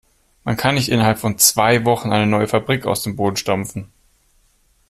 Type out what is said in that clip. Man kann nicht innerhalb von zwei Wochen eine neue Fabrik aus dem Boden stampfen.